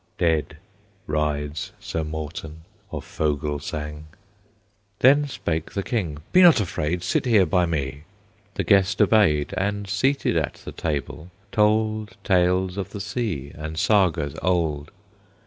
Dead rides Sir Morten of Fogelsang. Then spake the King: "Be not afraid; Sit here by me." The guest obeyed, And, seated at the table, told Tales of the sea, and Sagas old.